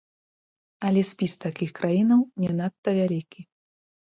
Але спіс такіх краінаў не надта вялікі.